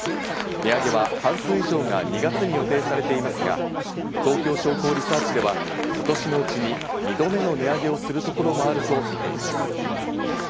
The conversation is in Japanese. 値上げは半数以上が２月に予定されていますが、東京商工リサーチでは、今年のうちに２度目の値上げをする所もあるとみています。